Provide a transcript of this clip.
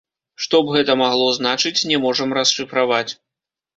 Што б гэта магло значыць, не можам расшыфраваць.